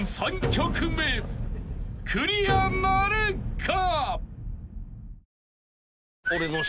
３曲目クリアなるか？］